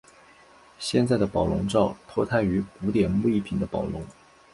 现在的宝龙罩脱胎于古典木艺品的宝笼。